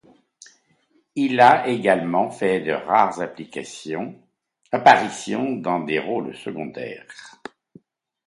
Il a également fait quelques rares apparitions dans des rôles secondaires.